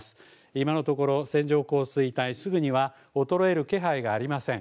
今のところ、線状降水帯、すぐには衰える気配がありません。